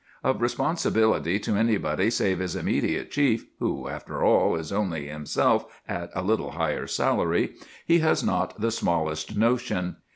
Of responsibility to anybody save his immediate chief, who, after all, is only himself at a little higher salary, he has not the smallest notion.